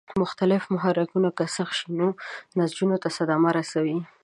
مختلف محرکونه که سخت شي نو نسجونو ته صدمه رسوي.